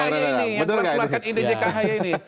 ahy ini yang memperkembangkan ide jk ahy ini